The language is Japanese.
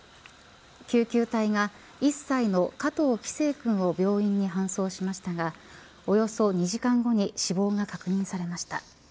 救急隊が１歳の加藤輝星君を病院に搬送しましたがおよそ２時間後に死亡が確認されました。